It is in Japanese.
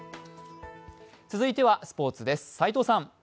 続いてはスポーツです。